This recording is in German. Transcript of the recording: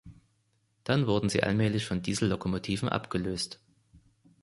Dann wurden sie allmählich von Diesellokomotiven abgelöst.